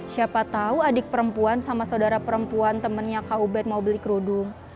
siapa tahu adik perempuan sama saudara perempuan temennya kak ubed mau beli kerudung